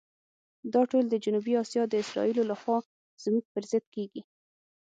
دا ټول د جنوبي آسیا د اسرائیلو لخوا زموږ پر ضد کېږي.